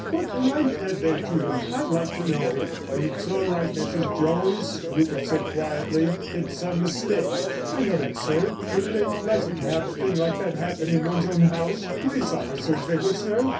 What right had they to them, I'd like to know." "It's all right, Mrs. Jones," Rupert said quietly. "It's a mistake." "I know that, sir. But it ain't pleasant to have a thing like that happen in one's own house. Police officers they were, sir....